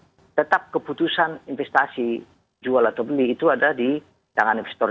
kami harapkan supaya tetap keputusan investasi jual atau beli itu ada di tangan investor